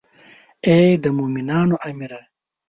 ای د مومنانو امیره.